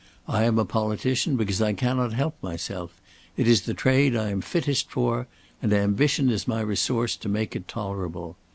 I am a politician because I cannot help myself; it is the trade I am fittest for, and ambition is my resource to make it tolerable.